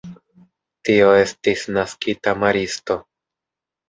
Tio estis naskita maristo.